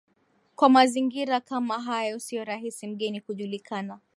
Kwa mazingira kama hayo sio rahisi mgeni kujulikana